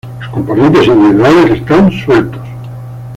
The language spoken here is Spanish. Los componentes individuales están sueltos.